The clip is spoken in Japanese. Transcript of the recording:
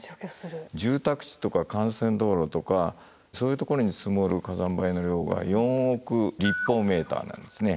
住宅地とか幹線道路とかそういうところに積もる火山灰の量が４億立方メーターなんですね。